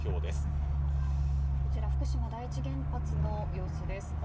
福島第一原発の様子です。